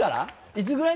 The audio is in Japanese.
いつぐらい？